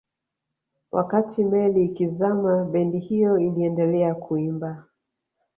wakati meli ikizama bendi hiyo iliendelea kuimba